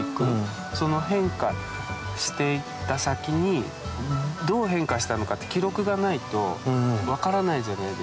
その変化していった先にどう変化したのかって記録がないと分からないじゃないですか。